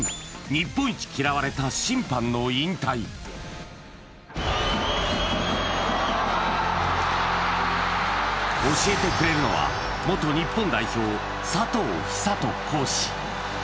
日本一嫌われた審判の引退教えてくれるのは元日本代表佐藤寿人講師